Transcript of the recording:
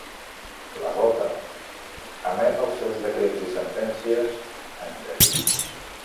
La Rota emet els seus decrets i sentències en llatí.